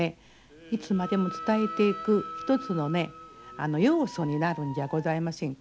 いつまでも伝えていく一つの要素になるんじゃございませんか？